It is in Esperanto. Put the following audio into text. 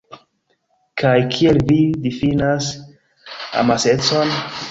Kaj kiel vi difinas amasecon?